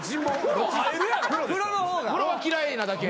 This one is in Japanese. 風呂は嫌いなだけ？